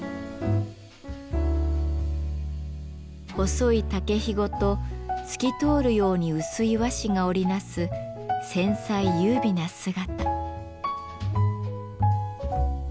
細い竹ひごと透き通るように薄い和紙が織り成す繊細優美な姿。